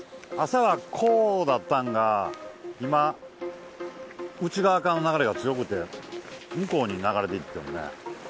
朝はこうだったんが今内側からの流れが強くて向こうに流れていきよんね